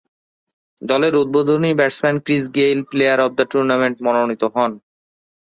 দলের উদ্বোধনী batsman Chris Gayle player of the tournament মনোনীত হন।